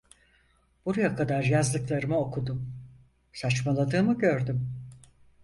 Buraya kadar yazdıklarımı okudum, saçmaladığımı gördüm.